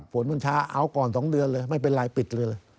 ฝนมันช้าเอาก่อน๒เดือนเลยไม่เป็นไรปิดเลย